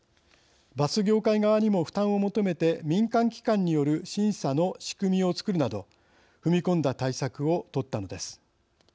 バス業界側にも負担を求めて民間機関による審査の仕組みをつくるなど踏み込んだ対策を取ったのです。